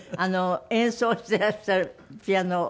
演奏していらっしゃるピアノを。